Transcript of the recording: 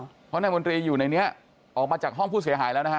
เพราะนายมนตรีอยู่ในนี้ออกมาจากห้องผู้เสียหายแล้วนะฮะ